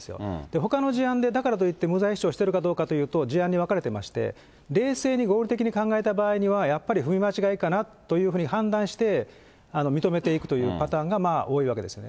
ほかの事案で、だからといって、無罪主張しているかというと、事案に分かれてまして、冷静に論理的に考えた場合には、やっぱり踏み間違いかなと判断して、認めていくというパターンが多いわけですね。